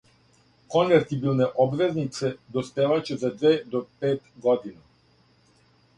Конвертибилне обвезнице доспеваће за две до пет година.